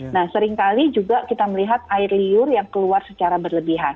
nah seringkali juga kita melihat air liur yang keluar secara berlebihan